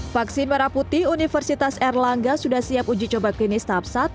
vaksin merah putih universitas erlangga sudah siap uji coba klinis tahap satu